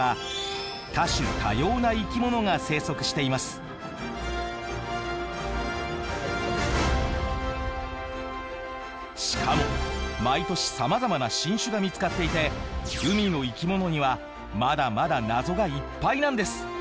そんな海にはしかも毎年さまざまな新種が見つかっていて海の生き物にはまだまだ謎がいっぱいなんです。